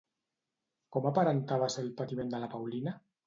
Com aparentava ser el patiment de la Paulina?